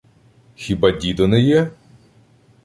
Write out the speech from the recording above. — Хіба дідо не є?